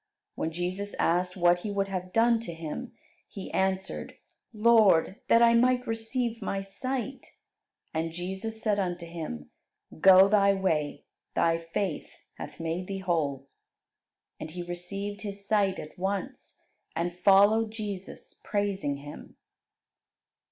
When Jesus asked what he would have done to him, he answered, "Lord, that I might receive my sight." And Jesus said unto him, "Go thy way; thy faith hath made thee whole." And he received his sight at once, and followed Jesus, praising Him.